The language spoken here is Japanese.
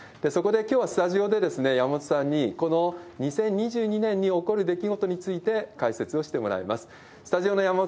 そこできょうはスタジオで山本さんに、この２０２２年に起こる出来事について解説をしてもらいます。